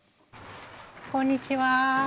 こんにちは。